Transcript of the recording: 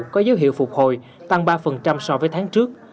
có dấu hiệu phục hồi tăng ba so với tháng trước